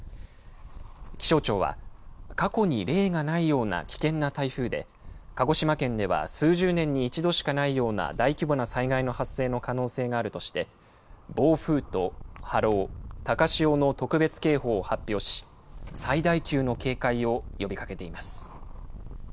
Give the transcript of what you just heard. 気象庁は、過去に例がないような危険な台風で、鹿児島県では数十年に一度しかないような大規模な災害の発生の可能性があるとして、暴風と波浪、高潮の特別警報を発表し、最大級の警戒を呼びかけています。